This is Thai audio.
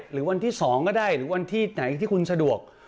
หรือวันที่๒ก็ได้หรือวันที่ไหนที่คุณสะดวก